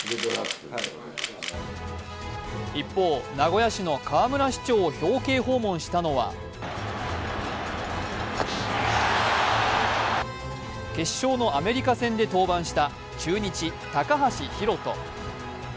一方、名古屋市の河村市長を表敬訪問したのは決勝のアメリカ戦で登板した中日・高橋宏斗。